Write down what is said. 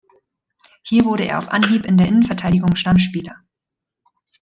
Hier wurde er auf Anhieb in der Innenverteidigung Stammspieler.